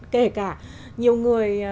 kể cả nhiều người